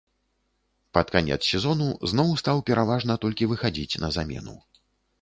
Пад канец сезону зноў стаў пераважна толькі выхадзіць на замену.